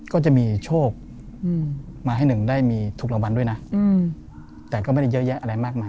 ก็จะมีโชคมาให้หนึ่งได้มีถูกรางวัลด้วยนะแต่ก็ไม่ได้เยอะแยะอะไรมากมาย